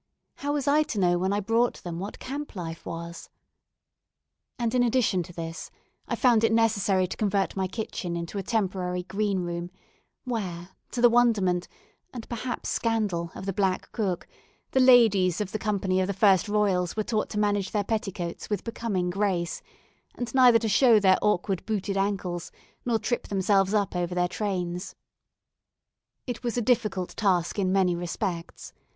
How was I to know when I brought them what camp life was? And in addition to this, I found it necessary to convert my kitchen into a temporary green room, where, to the wonderment, and perhaps scandal, of the black cook, the ladies of the company of the 1st Royals were taught to manage their petticoats with becoming grace, and neither to show their awkward booted ankles, nor trip themselves up over their trains. It was a difficult task in many respects.